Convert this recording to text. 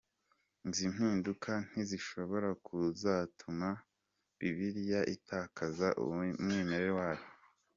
Izi mpinduka ntizishobora kuzatuma Bibiliya itakaza umwimerere wayo?.